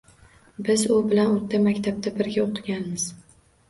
Biz u bilan o`rta maktabda birga o`qiganmiz